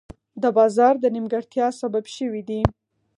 د بازار د نیمګړتیا سبب شوي دي.